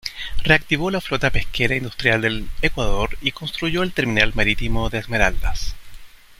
Reactivó la flota pesquera industrial del Ecuador y construyó el terminal marítimo de Esmeraldas.